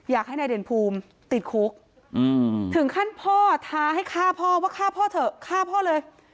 อยากให้นายเด่นภูมิติดคุกถึงขั้นพ่อท้าให้ฆ่าพ่อว่าฆ่าพ่อเถอะฆ่าพ่อเลย